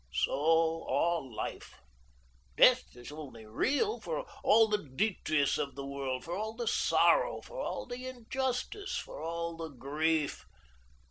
So all life. Death is only real for all the detritus of the world, for all the sorrow, for all the injustice, for all the grief.